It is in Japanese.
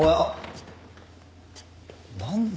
なんだ？